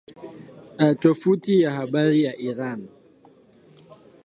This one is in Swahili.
Tovuti ya habari ya Iran